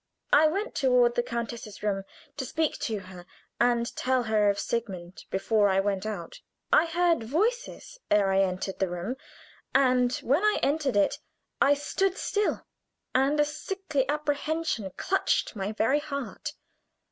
I went toward the countess's room, to speak to her, and tell her of Sigmund before I went out. I heard voices ere I entered the room, and when I entered it I stood still, and a sickly apprehension clutched my very heart.